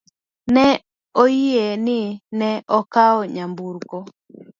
Ne oyie ni ne okawo nyamburko.